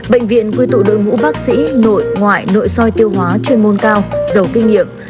bệnh viện quy tụ đội ngũ bác sĩ nội ngoại nội soi tiêu hóa chuyên môn cao giàu kinh nghiệm